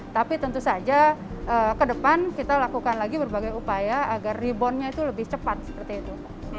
tapi tentu saja ke depan kita lakukan lagi berbagai upaya agar reboundnya itu lebih cepat seperti itu